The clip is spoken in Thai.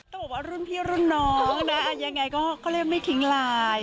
ตกว่ารุ่นพี่รุ่นน้องนะยังไงก็เขาเรียกว่าไม่ทิ้งลาย